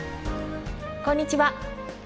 こんにちは。